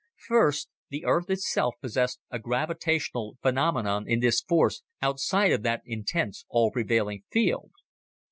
First, the Earth itself possessed a gravitational phenomenon in this force outside of that intense, all pervading field.